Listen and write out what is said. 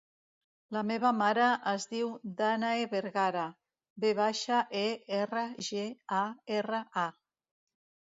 La meva mare es diu Dànae Vergara: ve baixa, e, erra, ge, a, erra, a.